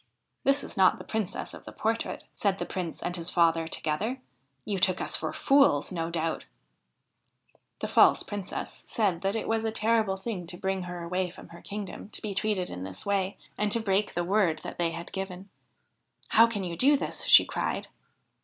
' This is not the Princess of the portrait,' said the Prince and his father together. ' You took us for fools, no doubt I ' The false Princess said that it was a terrible thing to bring her away from her kingdom to be treated in this way, and to break the word that they had given. ' How can you do this?' she cried.